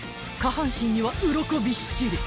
半身にはうろこびっしり］